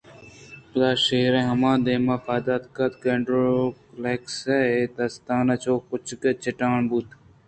پدا شیر ہما دمان ءَ پاد اتک ءُ اینڈوروکِلس ءِ دستاناں چو کُچک ءَ چَٹّان بُوت